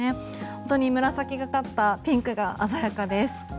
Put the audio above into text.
本当に、紫がかったピンクが鮮やかです。